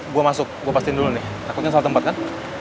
gua masuk gua pastiin dulu nih takutnya salah tempat kan